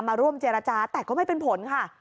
มาร่วมเจรจาแต่ก็ไม่เป็นผลค่ะ